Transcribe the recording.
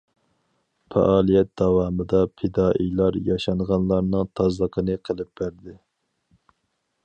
پائالىيەت داۋامىدا پىدائىيلار ياشانغانلارنىڭ تازىلىقىنى قىلىپ بەردى.